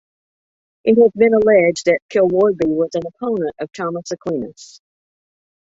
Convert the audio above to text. It has been alleged that Kilwardby was an opponent of Thomas Aquinas.